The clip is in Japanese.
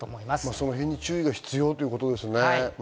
その辺に注意が必要ということですね。